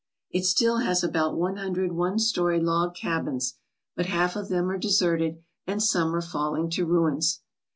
It still has about one hundred one story log cabins, but half of them are deserted and some are falling to ruins.